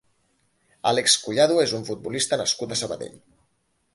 Álex Collado és un futbolista nascut a Sabadell.